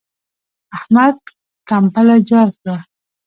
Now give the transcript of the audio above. احمد کمبله جار کړه.